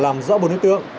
làm rõ bốn đối tượng